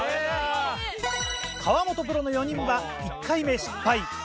河本プロの４人は１回目失敗。